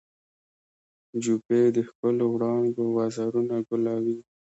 جوپې د ښکلو وړانګو وزرونه ګلابي